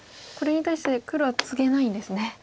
これに対して黒はツゲないんですね。